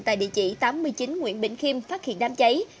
tại địa chỉ tám mươi chín nguyễn bình khiêm phát hiện đám cháy